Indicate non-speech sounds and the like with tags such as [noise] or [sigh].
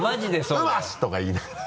「うまし！」とか言いながら [laughs]